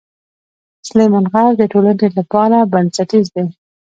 سلیمان غر د ټولنې لپاره بنسټیز دی.